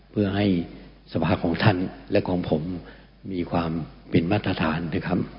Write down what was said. เพื่อให้สภาของท่านและของผมมีความเป็นมาตรฐานนะครับ